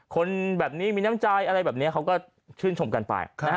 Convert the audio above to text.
คนแบบนี้มีน้ำใจอะไรแบบนี้เขาก็ชื่นชมกันไป